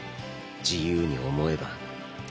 自由に思えば。